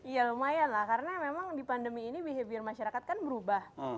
ya lumayan lah karena memang di pandemi ini behavior masyarakat kan berubah